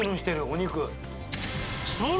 お肉。